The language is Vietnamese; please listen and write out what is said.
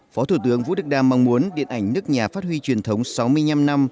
phó thủ tướng vũ đức đam mong muốn điện ảnh nước nhà phát huy truyền thống sáu mươi năm năm